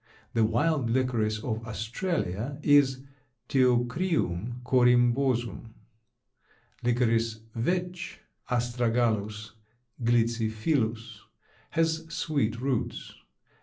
The wild licorice of Australia is Teucrium corymbosum. Licorice vetch (Astragalus glycyphyllus) has sweet roots.